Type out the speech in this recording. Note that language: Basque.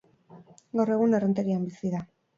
Gaur egun Errenterian bizi da.